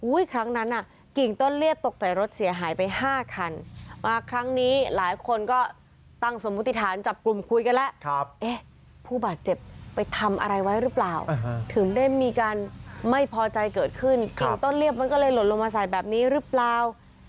ครั้งนั้นน่ะกิ่งต้นเลือดตกใส่รถเสียหายไปห้าคันมาครั้งนี้หลายคนก็ตั้งสมมุติฐานจับกลุ่มคุยกันแล้วเอ๊ะผู้บาดเจ็บไปทำอะไรไว้หรือเปล่าถึงได้มีการไม่พอใจเกิดขึ้นกิ่งต้นเรียบมันก็เลยหล่นลงมาใส่แบบนี้หรือเปล่า